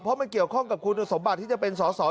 เพราะมันเกี่ยวข้องกับคุณสมบัติที่จะเป็นสอสอ